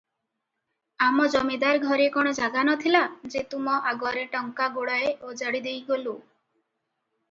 ଆମ ଜମିଦାର ଘରେ କଣ ଜାଗା ନ ଥିଲା ଯେ, ତୁମ ଆଗରେ ଟଙ୍କା ଗୁଡାଏ ଓଜାଡ଼ି ଦେଇଗଲୁଁ?